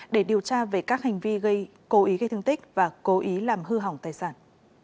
để điều tra về các hành vi gây cố ý gây thương tích và cố ý làm hư hỏng tài sản